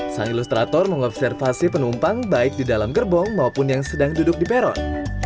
sang ilustrator mengobservasi penumpang baik di dalam gerbong maupun yang sedang duduk di peron